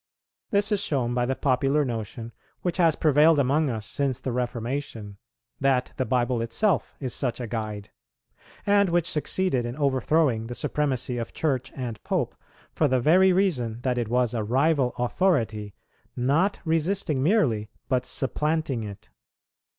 This is shown by the popular notion which has prevailed among us since the Reformation, that the Bible itself is such a guide; and which succeeded in overthrowing the supremacy of Church and Pope, for the very reason that it was a rival authority, not resisting merely, but supplanting it.